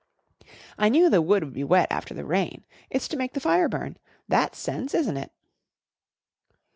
"I knew the wood would be wet after the rain. It's to make the fire burn. That's sense, isn't it?"